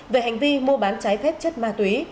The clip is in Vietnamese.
về hành vi mua bán trái phép chất ma túy